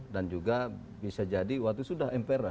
dan juga bisa jadi waktu sudah mpr ya